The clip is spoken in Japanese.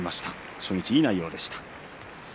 初日いい内容でした。